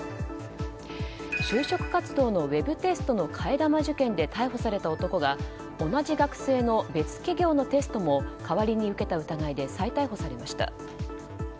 就職活動のウェブテストの替え玉受験で逮捕された男が、同じ学生の別企業のテストも代わりに受けた疑いで再逮捕されました。